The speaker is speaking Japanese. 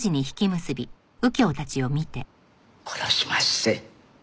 殺しまっせ。